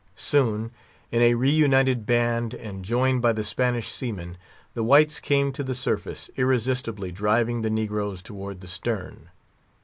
Soon, in a reunited band, and joined by the Spanish seamen, the whites came to the surface, irresistibly driving the negroes toward the stern.